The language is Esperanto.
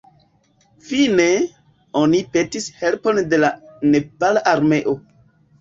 Fine, oni petis helpon de la Nepala Armeo.